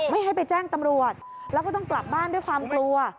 ไม่ให้ไปแจ้งตำรวจแล้วก็ต้องกลับบ้านด้วยความกลัว